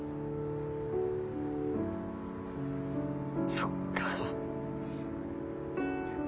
そっか。